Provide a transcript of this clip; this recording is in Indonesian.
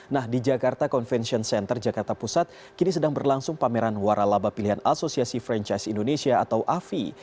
nah di jakarta convention center jakarta pusat kini sedang berlangsung pameran waralaba pilihan asosiasi franchise indonesia atau afi